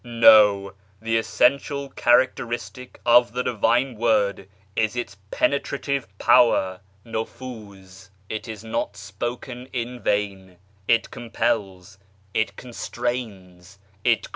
No : the essential character itic of the Divine Word is its penetrative power (imfuz) : it , not spoken in vain, it compels, it constrains, it creates.